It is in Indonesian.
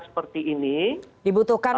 seperti ini dibutuhkan